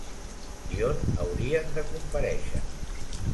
I on haurien de comparèixer?